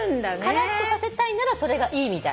カラッとさせたいならそれがいいみたい。